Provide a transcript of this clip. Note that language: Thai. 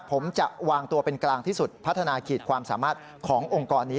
ผมจะวางตัวเป็นกลางที่สุดพัฒนาขีดความสามารถขององค์กรนี้